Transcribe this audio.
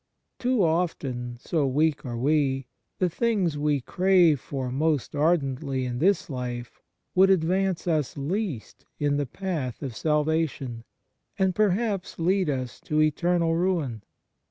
Too often, so weak are we, the things we crave for most ardently in this life would advance us least in the path of salvation, and perhaps lead us to eternal ruin.